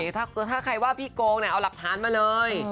ถ้าใครว่าพี่โกงเอาหลักฐานมาเลย